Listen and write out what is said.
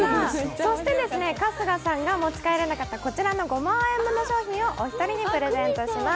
そして春日さんが持ち帰れなかったこちらの５万円分をプレゼントします。